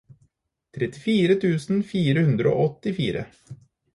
trettifire tusen fire hundre og åttifire